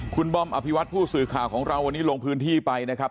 คุณบอมอภิวัตผู้สื่อข่าวของเราวันนี้ลงพื้นที่ไปนะครับ